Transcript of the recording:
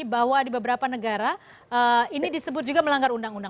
bahwa di beberapa negara ini disebut juga melanggar undang undang